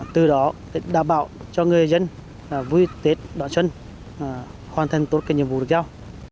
từ đó đảm bảo cho người dân vui tết đón xuân hoàn thành tốt cái nhiệm vụ được giao